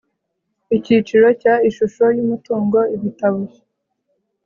Icyiciro cya ishusho y umutungo ibitabo